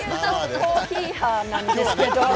コーヒー派なんですけれど。